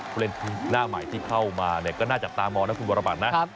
ผู้เล่นหน้าหมายที่เข้ามาเนี่ยก็น่าจะจับตามอนะคุณบรรบันนะครับ